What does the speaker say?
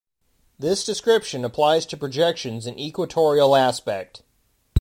This description applies to projections in equatorial aspect.